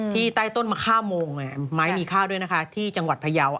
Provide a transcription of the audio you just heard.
ที่ใต้ต้นมาฆ่าโมงไงม้ายมีฆ่าด้วยนะคะที่จังหวัดพยาวิ์